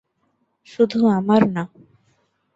শুধু আমার না।